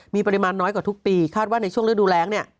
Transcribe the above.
มีปริมาณน้อยกว่าทุกปีคาดว่าในช่วงฤดูแรงเนี่ย